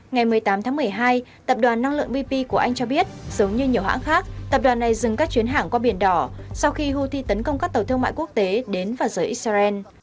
ngày một mươi tám tháng một mươi hai tập đoàn năng lượng bp của anh cho biết giống như nhiều hãng khác tập đoàn này dừng các chuyến hãng qua biển đỏ sau khi houthi tấn công các tàu thương mại quốc tế đến và rời israel